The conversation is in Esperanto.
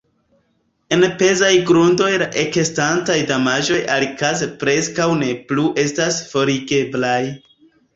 En pezaj grundoj la ekestantaj damaĝoj alikaze preskaŭ ne plu estas forigeblaj.